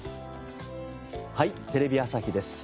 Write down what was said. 『はい！テレビ朝日です』